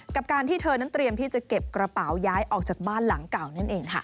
กับการที่เธอนั้นเตรียมที่จะเก็บกระเป๋าย้ายออกจากบ้านหลังเก่านั่นเองค่ะ